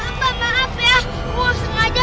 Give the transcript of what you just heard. nggak sengaja nggak sengaja